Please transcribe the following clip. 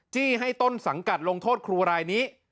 จี้ให้ต้นสังกัดลงโทษครูรายนี้